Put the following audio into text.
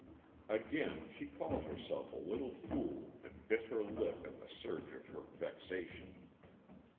Again she called herself a little fool and bit her lip in the surge of her vexation.